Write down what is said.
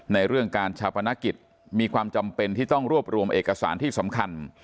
ในเรื่องการชาปนกิจมีความจำเป็นที่ต้องรวบรวมเอกสารที่สำคัญ